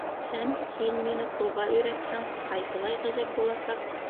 Һәм, һин мине ҡулға өйрәтһәң, ҡайһылай ғәжәп буласаҡ!